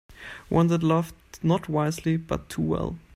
One that loved not wisely but too well